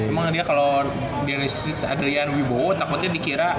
emang dia kalo dionysius adrian wibowo takutnya dikira